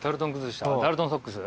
ダルトンソックス？